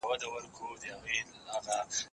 زه به اوږده موده د ښوونځی لپاره امادګي نيولی وم،